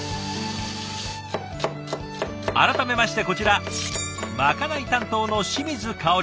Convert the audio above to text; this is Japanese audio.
改めましてこちらまかない担当の清水かおりさん。